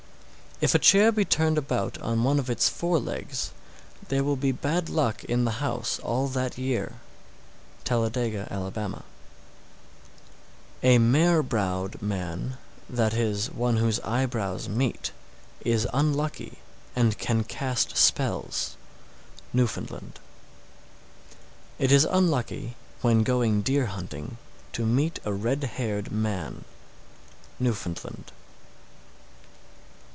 _ 711. If a chair be turned about on one of its forelegs, there will be bad luck in the house all that year. Talladega, Ala. 712. A mare browed man, that is, one whose eyebrows meet, is unlucky and can cast spells. Newfoundland. 713. It is unlucky, when going deer hunting, to meet a red haired man. _Newfoundland.